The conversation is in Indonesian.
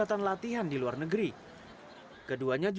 tapi kita harus berharap